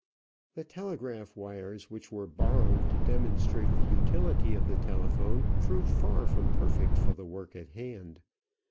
The telegraph wires which were borrowed to demonstrate the utility of the telephone proved far from perfect for the work at hand.